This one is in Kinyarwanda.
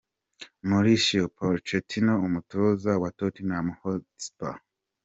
Mauricio Pochetino umutoza wa Tottenham Hotspur.